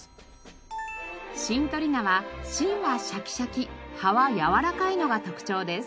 シントリ菜は芯はシャキシャキ葉はやわらかいのが特徴です。